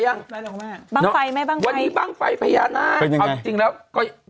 น้องคายส่งไหมบ้างไฟมั้ยบ้างไฟพญานาคเอาจริงแล้วขึ้นไหม